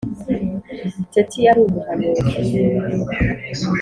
Teti yari umuhanuzi